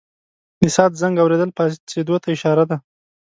د ساعت زنګ اورېدل پاڅېدو ته اشاره ده.